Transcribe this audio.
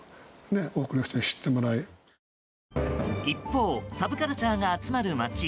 一方サブカルチャーが集まる街